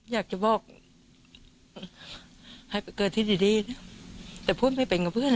อยากจะบอกให้ไปเกิดที่ดีแต่พูดไม่เป็นกับเพื่อน